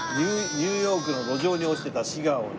ニューヨークの路上に落ちてたシガーをね。